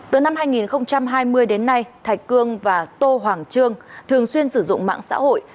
từ năm hai nghìn hai mươi đến nay thạch cương và tô hoàng trương thường xuyên sử dụng mạng xã hội